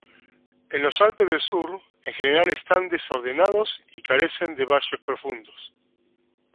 En los Alpes del sur, en general están desordenados y carecen de valles profundos.